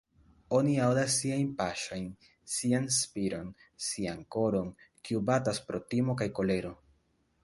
Oni aŭdas siajn paŝojn, sian spiron, sian koron, kiu batas pro timo kaj kolero...